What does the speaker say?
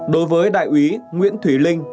đối với đại úy nguyễn thủy linh